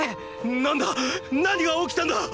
何だ⁉何が起きたんだ！！